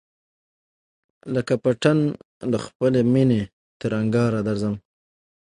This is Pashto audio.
لکه پتڼ له خپلی مېني تر انگاره درځم